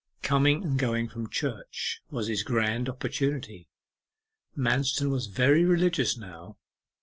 Coming and going from church was his grand opportunity. Manston was very religious now.